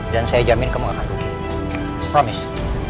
dan saya jamin kamu gak akan pergi promise